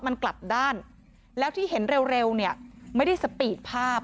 มันกลับด้านแล้วที่เห็นเร็วเนี่ยไม่ได้สปีดภาพ